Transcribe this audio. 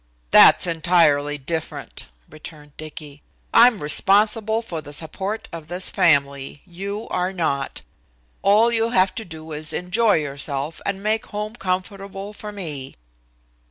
"That's entirely different," returned Dicky. "I'm responsible for the support of this family. You are not. All you have to do is to enjoy yourself and make home comfortable for me."